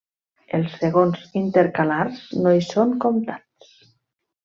Els segons intercalars no hi són comptats.